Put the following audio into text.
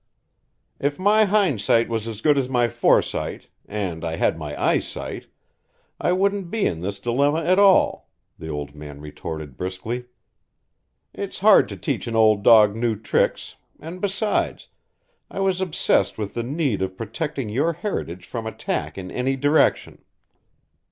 "If my hindsight was as good as my foresight, and I had my eyesight, I wouldn't be in this dilemma at all," the old man retorted briskly. "It's hard to teach an old dog new tricks, and besides, I was obsessed with the need of protecting your heritage from attack in any direction."